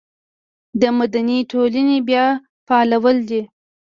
د مدني ټولنې بیا فعالول دي.